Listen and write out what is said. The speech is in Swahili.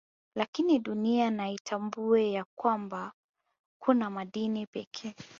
Lakini Dunia na itambue ya kwanba kuna madini pekee